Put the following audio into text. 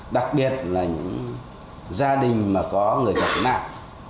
đặc biệt là những gia đình mà có người gặp nạn